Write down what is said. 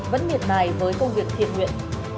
vẫn miệt mài với công việc thiệt nguyện